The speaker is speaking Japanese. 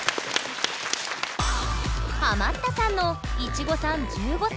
ハマったさんのいちごさん１５歳。